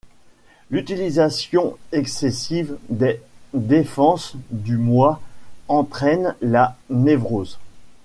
L'utilisation excessive des défenses du moi entraîne la névrose.